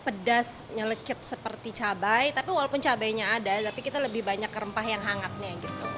pedas nyelekit seperti cabai tapi walaupun cabainya ada tapi kita lebih banyak rempah yang hangatnya gitu